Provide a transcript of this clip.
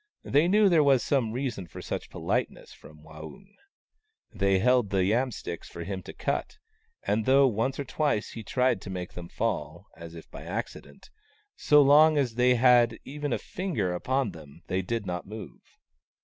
They knew there was some reason for such politeness from Waung. So they held the yam sticks for him to cut, and though once or twice he tried to make them fall, as if by acci dent, so long as they had even a finger upon them they did not move.